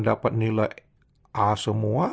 dapat nilai a semua